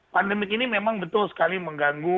pandemik ini memang betul sekali mengganggu